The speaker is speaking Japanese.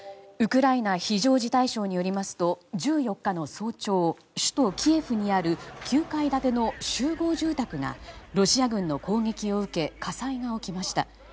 ウクライナ非常事態省によりますと１４日早朝、首都キエフにある９階建ての集合住宅がロシア軍の攻撃を受け火災が起きました。